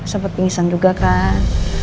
seperti pingsan juga kan